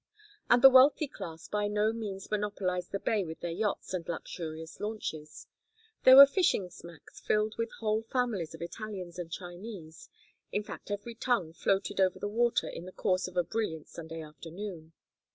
And the wealthy class by no means monopolized the bay with their yachts and luxurious launches. There were fishing smacks filled with whole families of Italians and Chinese; in fact every tongue floated over the water in the course of a brilliant Sunday afternoon.